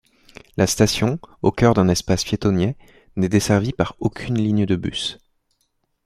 La station, au cœur d'un espace piétonnier, n'est desservie par aucune ligne de bus.